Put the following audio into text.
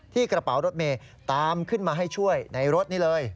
กระเป๋ารถเมย์ตามขึ้นมาให้ช่วยในรถนี่เลย